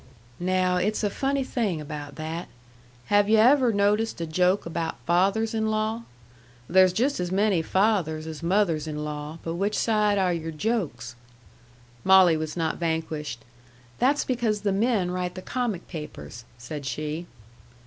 "Now it's a funny thing about that. Have yu' ever noticed a joke about fathers in law? There's just as many fathers as mothers in law; but which side are your jokes?" Molly was not vanquished. "That's because the men write the comic papers," said she.